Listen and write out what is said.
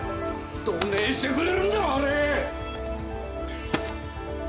どねぇしてくれるんじゃわれ！